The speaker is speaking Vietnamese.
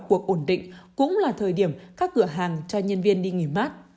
cuộc ổn định cũng là thời điểm các cửa hàng cho nhân viên đi nghỉ mát